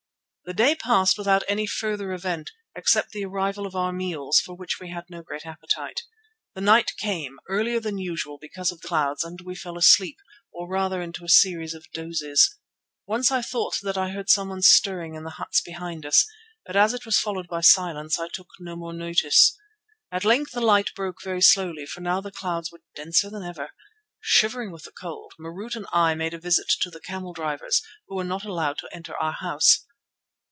The day passed without any further event, except the arrival of our meals, for which we had no great appetite. The night came, earlier than usual because of the clouds, and we fell asleep, or rather into a series of dozes. Once I thought that I heard someone stirring in the huts behind us, but as it was followed by silence I took no more notice. At length the light broke very slowly, for now the clouds were denser than ever. Shivering with the cold, Marût and I made a visit to the camel drivers, who were not allowed to enter our house.